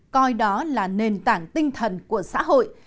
coi đó là nền tảng tinh thần của xã hội